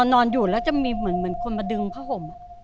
นอนอยู่แล้วจะมีเหมือนคนมาดึงผ้าห่ม